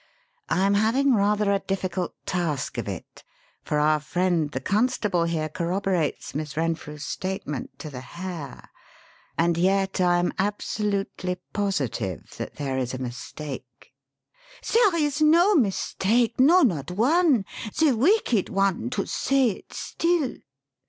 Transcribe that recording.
I'm having rather a difficult task of it, for our friend the constable here corroborates Miss Renfrew's statement to the hair; and yet I am absolutely positive that there is a mistake." "There is no mistake no, not one! The wicked one to say it still!"